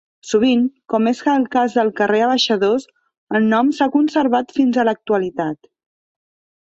Sovint, com és el cas del carrer Abaixadors, el nom s'ha conservat fins a l'actualitat.